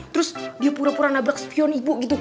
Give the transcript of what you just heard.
terus dia pura pura nabrak spion ibu gitu